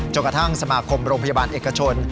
กระทั่งสมาคมโรงพยาบาลเอกชน